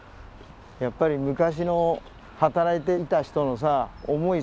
やっぱり昔の働いていた人のさ思い